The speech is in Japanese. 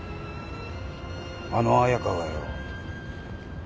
あの彩佳がよ。